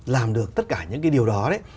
làm được tất cả những cái điều đó đấy